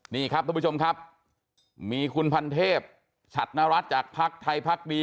นี่ครับทุกผู้ชมครับมีคุณพันเทพฉัดนรัฐจากภักดิ์ไทยพักดี